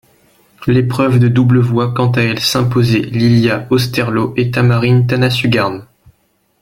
L'épreuve de double voit quant à elle s'imposer Lilia Osterloh et Tamarine Tanasugarn.